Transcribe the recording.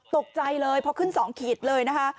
ตกใจเลยพอขึ้น๒ขีดเลยนะคะ